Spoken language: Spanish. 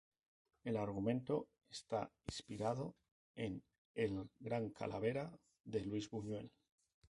El argumento está inspirado en "El gran calavera", de Luis Buñuel.